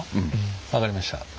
分かりました。